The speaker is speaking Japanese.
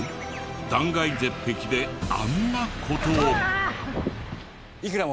断崖絶壁であんな事を。